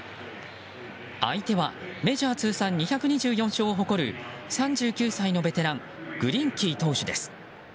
相手はメジャー通算２２４勝を誇る３９歳のベテラングリンキー投手です。